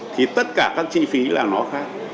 thì tất cả các chi phí là nó khác